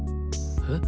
えっ？